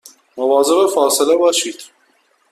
مواظب فاصله باشید